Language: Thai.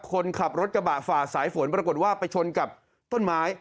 คนขับรถกระบะฝ่าสายฝนปรากฏว่าไปชนกับต้นไม้